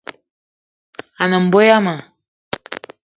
A ne mbo yama